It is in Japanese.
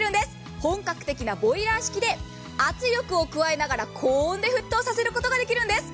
本格的なボイラー式で圧力を加えながら高温で沸騰させることができるんです。